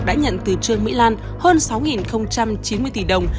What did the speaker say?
đã nhận từ trương mỹ lan hơn sáu chín mươi tỷ đồng